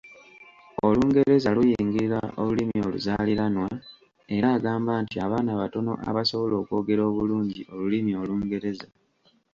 Olungereza luyingirira olulimi oluzaaliranwa, era agamba nti abaana batono abasobola okwogera obulungi olulimi Olungereza.